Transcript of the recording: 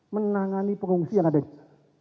menangani pengungsi yang ada di